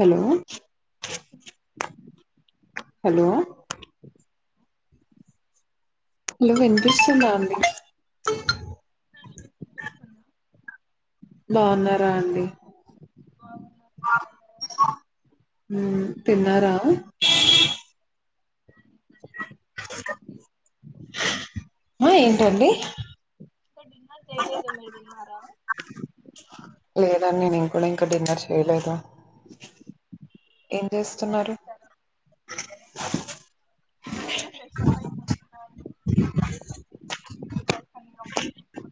Hello అ hello hello వినిపిస్తుందా అండి అ బాగున్నారా అండి బాగున్నా, మీరు బాగున్నారా? హుమ్ తిన్నారా అ ఆ ఏంటండి ఇంకా డిన్నర్ చేయలేదు మీరు తిన్నారా లేదండి నేను కూడా ఇంకా డిన్నర్ చేయలేదు ఏం డిన్నర్ చేస్తున్నారు చేశారా ఇంతకు ముందే ఫ్రెష్ అప్ అయి కూర్చున్నాను వర్క్స్ అన్ని కంప్లీట్ చేసుకొని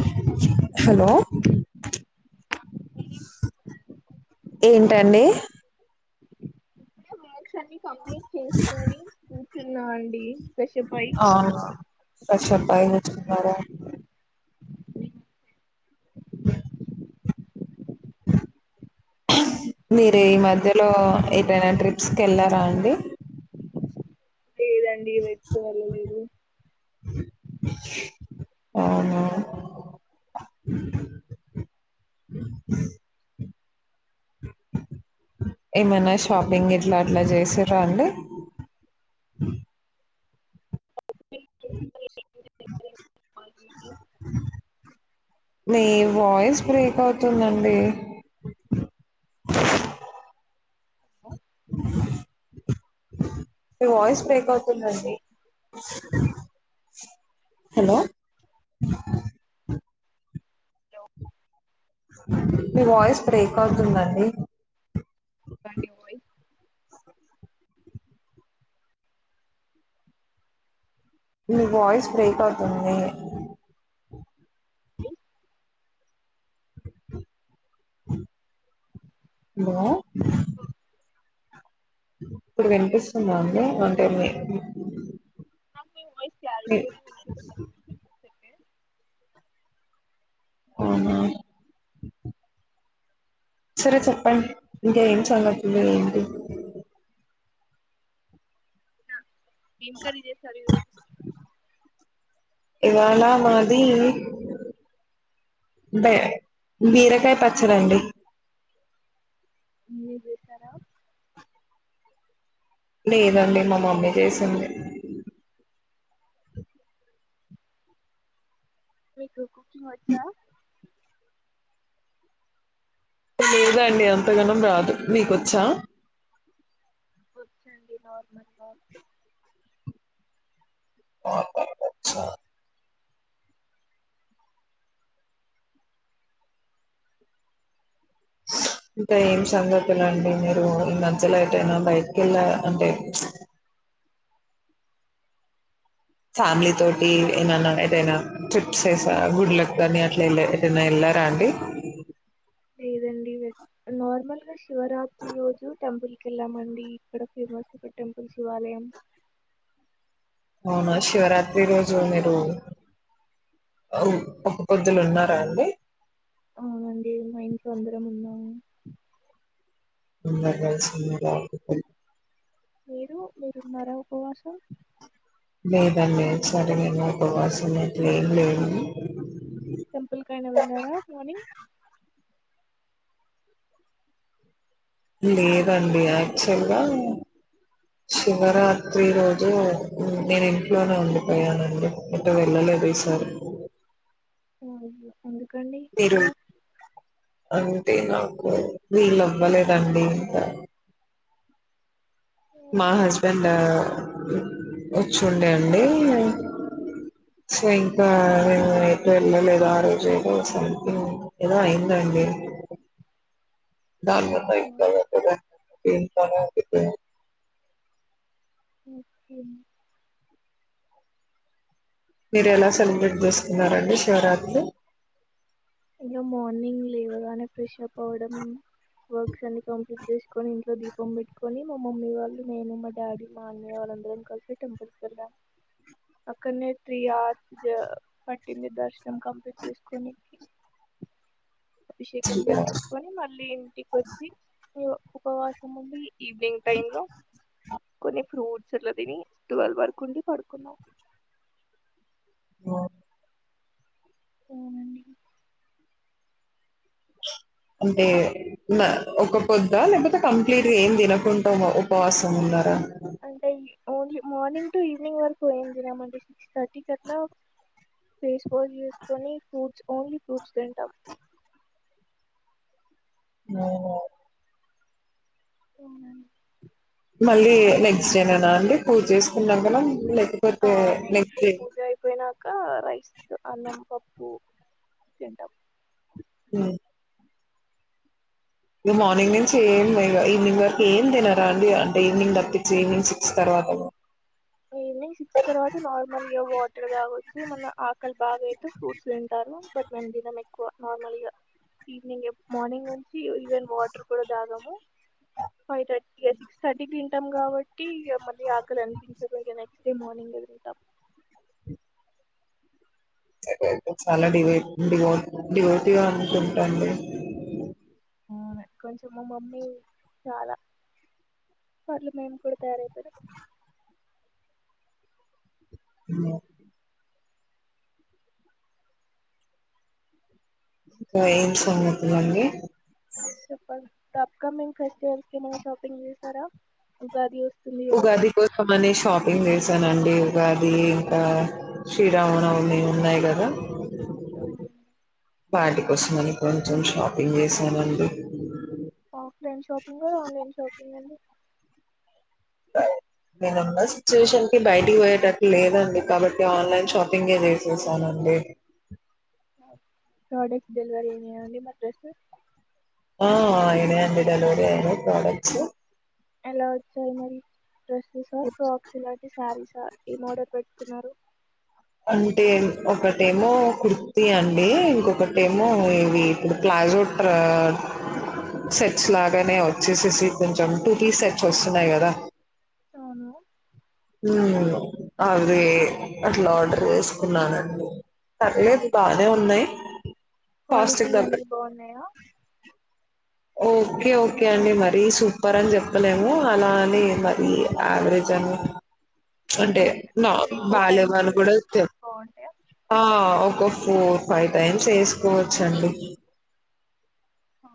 మీరేం హలో చేస్తున్నారు మీరేం ఏంటండి ఇది కంప్లీట్ చేసుకొని తిన్న అండి ఫ్రెష్ అప్ అయ్యి అవునా ఫ్రెష్ అప్ అయ్యి కూర్చున్నారా మీరు ఈ మధ్యలో ఏదైనా ట్రిప్స్ కి ఎళ్ళారా అండి లేదండి వెప్పు వెళ్ళలేదు మీరు అవునా తిన్నారా ఏమనా షాపింగ్ ఇట్లా అట్లా చేసిరా అండి మీ వాయిస్ బ్రేక్ అవుతుందండి ఆ మీ వాయిస్ బేకాతు మంచి హలో హలో మీ వాయిస్ బ్రేక్ అవుతుందండి కానీయి ఇ వయిస్ బ్రే ఆ దని హలో ఇప్పుడు వినిపిస్తుందా అండి అంటే మీ నాయి మీ త అవునా సరే చెప్పండి ఇంకా ఏం సంగతులు ఏంటి ఎన్ కర్రీ చేసారు ఈ రోజు ఇవాళ మాది బే బీరకాయ పచ్చడండి మీర్ చేశారా లేదండి మా మమ్మీ చేసింది ఏకు కుకింగ్ వచ్చ లేదాండి అంతగనం రాదు మీకొచ్చా వచ్చండి నార్మల్గా అ ఇకా ఏం సంగపిలండి మీరు ఈ మధ్యలో అయితేయినా బయటకి వెళ్ళ అంటే ఫ్యామిలీ తోటి ఏమైనా ఏదైనా ట్రిప్స్ వసా గుడ్లలకు కాని అట్లా ఏదైనా వెళ్ళారా అండి లేదండి నార్మల్గా శివరాత్రి రోజు టెంపుల్కి వెళ్ళామండి ఇక్కడ ఫేమస్ ఇ టెంపుల్ శివాలయం అవునా శివరాత్రి రోజు మీరు ఒక్క పొద్దులు ఉన్నారా అండి అవునండి మా ఇంట్లో అందరం ఉన్నాము ఎందకాచన్నలా మీరు మీరున్నారా ఉపవాసం లేదండి ఈ సారి నేను ఉపవాసం ఉన్నట్లేం లేదు టెంపుల్ కైనా వెళ్ళారా మార్నింగ్ లేదండి యాక్చువల్గా శివరాత్రి రోజు నేను ఇంట్లోనే ఉండిపోయానండి అట్ట వెళ్ళలేదు ఈసారి అయ్యో ఎందుకండి అలా అే నాకు వీలవ్వలేదండి ఇంక మా ఓకే హస్బెండా వచ్చుండే అండి సో ఇంకా నేను అయితే వెళ్ళలేదో ఆ రోజు ఏదో సంథింగ్ ఏదో అయిందండి దాని పై [unintelligible] ఇంట్లోనే ఉండిపోయాను ఓకే మీరు ఎలా సెలబ్రేట్ చేసుకున్నారండి శివరాత్రి మేము మార్ర్నింగ్ లేవగానే ఫ్రషప్ పవడం వర్క్స్ అన్ని కంప్లీట్ చేసుకొని ఇంట్లో దీపం పెట్టుకొని మా మమ్మీ వాళ్ళు నేను మా డాడీ మా అన్నయ్య వాళ్ళందరం కలిసి టెంపుల్ వెళ్ళాం అక్కడనే త్రీ అవర్స్ పట్టింది దర్శనం కంప్లీట్ చేసుకోనీకి అభిషేకం చేపిచ్చుకోని మళ్ళీ ఇంటికి వచ్చి పు ఉపవాసం ఉండి ఈవినింగ్ టైం లో కొన్ని ఫ్రూట్స్ అట్లా తిని టువల్ వరకు ఉండి పడుకున్నాం ఓ ఓనండి అంటే ఒక ఒకపొద్ద లేకపోతే కంప్లీట్ గా ఏం తినకుండా ఉపవాసం ఉన్నారా అంటే ఓన్లీ మార్నింగ్ టు ఈవనింగ్ వరక్ పో ఏం తినమంటే సిక్స్ థర్టీకి అట్లా ఫేస్ వాష్ చేసుకొని ఫ్రూట్స్ ఓన్లీ ఫ్రూట్స్ తింటాం నో అవునుఅనే మళ్ళీ నెక్స్ట్ డే నేనా అండి పూజ చేసుకున్నాన లైక్ ఆ నెక్స్ట్ డే పూజ అయిపోయినంక రైస్ అన్నం పప్పు తింటమ్ హ నువ్ మార్నింగ్ నుంచి ఏం లే ఇగ ఈవినింగ్ వరకు ఏం తినారా అండి అంటే ఈవినింగ్ తప్పించి ఈవినింగ్ సిక్స్ తర్వాత ఈవినింగ్ సిక్స్త్ తర్వాత నార్మల్ ఇగ వాటర్ తాగవచ్చు ఏమన్నా ఆకలి బాగా అయితే ఫ్రూట్స్ తింటారు బట్ మేము తినం ఎక్కువ నార్మల్గా ఈవినింగ్ మార్నింగ్ నుంచి ఈవెన్ వాటర్ గూడా తాగము ఫైవ్ ర్టీ ఇగ సిక్స్ థర్టీకి తింటాం కాబట్టి ఇగ మళ్ళీ ఆకలి అనిపించింది ఇగ నెక్స్ట్ డే మార్నింగ్ ఎదురు తా అయితే నువ్ చాలా డివై డివ డివటిగా అనుకుంటాడి అవునా కొంచెం మా మమ్మీ చాలా పళ్లు మేము కూడా తయారైపోయినం ఉన్నో ఇంకా ఏం సంగతులు అండి చెప్పండి ఇప్పుడు అప్ కమింగ్ ఫెస్టివల్ కి ఏమైనా షాపింగ్ చేసారా ఉగాది వస్ ఉగాది కోసం అనే షాపింగ్ చేసాను ఆన్ ఏ ఉగాది ఇంకా శ్రీరామనవమి ఉన్నాయి గదా దామాన్ వాటి కోసమని కొంచెం షాపింగ్ చేసామండి ఆఫ్లైన్ షాపింగ్ ఆన్లైన్ షాపింగ్ అండి నేనున్న సిచ్యువేషన్ కి బయటికి పోయేటట్టు లేదండి కాబట్టి ఆన్లైన్ షాపింగే చేసేసానండి ప్రోడక్ట్స్ డెలివరీ అయినా అండి మరి డ్రెస్ ఆ అయిన అండి డెలివరీ అయిన ప్రాడక్ట్స్ ఎలా వచ్చాయి మరి డ్రెస్సెస్ ఆర్ ప్రాక్స్ ఇలాంటి శారీస్ ఆ ఏం ఆడర్ పెట్టుకున్నారు అంటే ఒకటేమో కుర్తీ అండి ఇంకొకటేమో ఇవి ఇప్పుడు ప్లాజో ట్ర సెట్స్ లాగానే వచ్చేసి సెట్స్ కొంచెం త్రీ సెట్స్ వస్తున్నాయి గదా టోను హుం అదే అట్లా ఆర్డర్ చేసుకున్నానండి పర్లేదు బానే ఉన్నాయి కాస్ట్ క్వాలిటీ దగ్గర అన్నిీ బాగున్నాయా ఓకే ఓకే అండి మరీ సూపర్ అని చెప్పలేము అలా అని మరీ యావరేజ్ అని అంటే ఓకే ఒక నా త్రీ ఫోర్ టైమ్స్ బాల్యవాళ్ళు కూడా ఇస్తే బాగుంటాయా ఆ ఒొ ఫోర్ ఫైవ్ టైమ్స్ వేసుకోవచ్చండి ఆ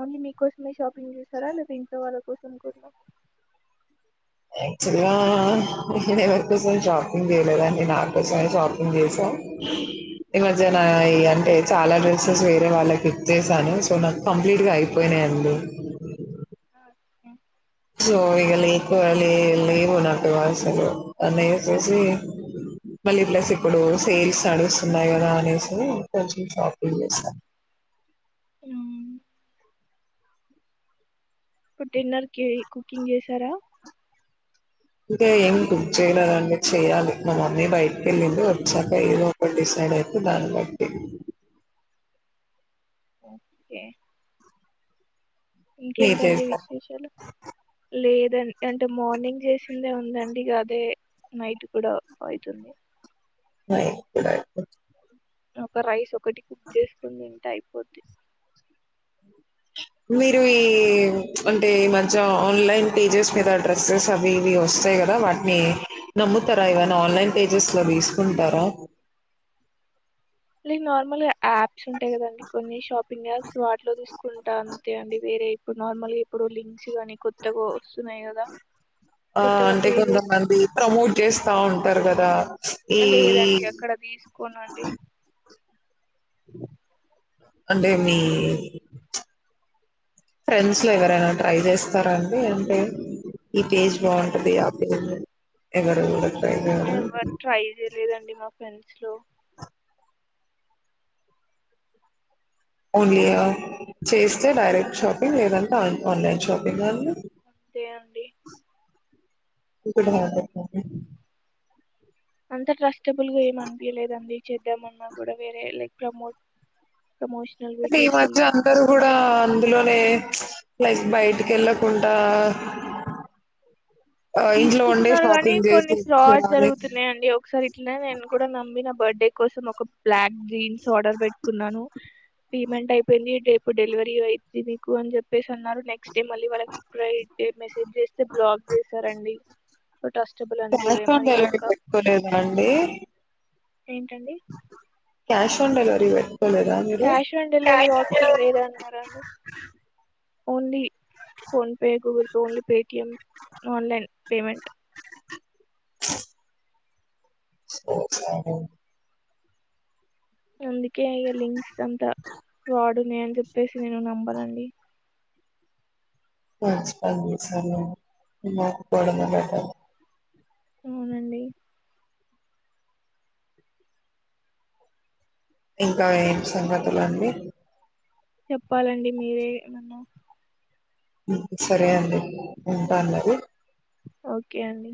ఓన్లీ మీకోసమే షాపింగ్ చేస్తారా లేదా ఇంట్లో వాళ్ళ కోసం కున్నా యాక్చువల్ గా నేను ఎవరికోసం షాపింగ్ చేయలేదండి నాకోసమే షాపింగ్ చేసా ఈ మధ్యన అంటే చాలా డ్రెస్సెస్ వేరే వాళ్ళకి ఇచ్చేసాను సో ఈ నాకు కంప్లీట్ గా అయిపోయినాయి అంది [inaudible] సో ఇగ లేకవాలి లేవు నాకు అసలు అన్నయ్య వచ్చేసి మళ్ళీ ప్లస్ ఇప్పుడు సేల్స్ నడుస్తున్నాయి గదా అనేసి కొంచెం షాపింగ్ చేస్తారు మ్మ్. ఇప్పుడు డిన్నర్ కి కుకింగ్ చేసారా ఇంకా ఏమి చేయలేదు అండి చేయాలి మా మమ్మీ బయ్ వెళ్ళింది వచ్చాక ఏదో ఇప్పుడు డిసైడ్ అయితే దాని బట్టి ఓకే మీరు ఇంకేంటండి చేస్తారు విశేషాలు లేదు అంటే మార్నింగ్ చేసిందే ఉందండి అదే నైట్ కూడా అవుతుంది [inaudible] ఒక రైతు ఒకటి కుక్ చేసుకుంటుంటాయి [unintelligible] మీరు ఈ అంటే ఈ మధ్య ఆన్లైన్ పేజెస్ మీద డ్రెస్సెస్ అవి ఇ వస్తాయి యి కదా వాట్ని నమ్ముతారా ఏవైనా ఆన్లైన్ పేజెస్ లో తీసుకుంటారా ఇ నార్మల్ యాప్స్ ఉంటాయి కదండి కొన్ని షాప్ ఫింగర్ యాప్స్ వాటిలో తీసుకుంటా అంతే అండి వేరే ఇప్పుడు నార్మల్గా ఇప్పుడు లింక్స్ గానీ కొత్తగా వస్తున్నాయి కదా ఆ అంటే కొంతమంది ప్రమోట్ చేస్తా ఉంటారు కదా ఈ లేదండి అక్కడ తీసుకోనండి [inaudible] అంటే మీ ఫ్రెండ్స్ లో ఎవరైనా ట్రై చేస్తారాండి అంటే ఈ పేజ్ హ్మ్. బాగుంటది ఆ పేజ ఉండ ఎవరు ట్రై చేయలేదండి మా ఫ్రెండ్స్ స్లో ఓన్లీ చేస్తే డైరెక్ట్ షాపింగ్ లేదంటే ఆన్లైన్ షాపింగ్ అ అంతే అండి [inaudible] [inaudible] అంత ట్రస్టబుల్గా ఏం అనిపియ లేదండి. చేద్దామన్నా కూడా వేరే లైక్ ప్రమోట్ ప్రమోషనల్ అంటే ఈ మధ్య వీడియోస్‌లల్ల అందరూ కూడా అందులోనే లైక్ బయటి వెళ్ళకుంట తీసుకుంటున్నారు కాగానీ కొన్ని ఫ్రాడ్ చేయాలి. జరుగుతున్నాయండి. ఒకసారి ఇట్లనే నేను కూడా నమ్మి నా బర్త్డే కోసం ఒక ప్లాట్ జీన్స్ ఆర్డర్ పెట్టుకున్నాను. పేమెంట్ అయిపోయింది. రేపు డెలివరీ అయింది మీకు అని చెప్పేసి అన్నారు నెక్స్ట్ [unintelligible] ఏ మేసజ చేస్తే బ్లాక్ చేస్తా అండి క్యాష్ ఆన్ డేలివరీ పెట్టుకోలేదా అండి. ఏంటండి. క్యాష్ అండ్ డెలివరీ పెట్టుకోలేదా మీరు క్యాష్ ఆన్ డెలివరీ ఆప్షన్ లేదా అన్నారండి only PhonePe, Google pay, only Paytm, online payment స నంది ఏ లింక్స్ అంత ఫ్రాడు [unintelligible] చెప్పేసి నేను నమ్మాను అండి. [unintelligible] అవునండి ఇంకా ఏ సంగతులు అండి. చెప్పాలండి మీరే సరే అండి. ఉంటాను మరి ఓకే ఒకే అండి.